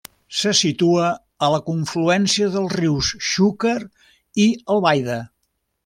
Se situa a la confluència dels rius Xúquer i Albaida.